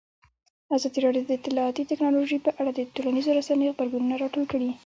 ازادي راډیو د اطلاعاتی تکنالوژي په اړه د ټولنیزو رسنیو غبرګونونه راټول کړي.